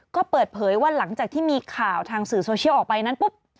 ก็เปิดเผยว่าหลังจากที่มีข่าวทางสื่อโซเชียลออกไปนั้นปุ๊บ